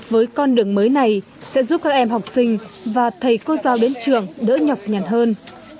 với con đường mới này sẽ giúp các em học sinh và thầy cô giáo đến trường đỡ nhọc nhằn hơn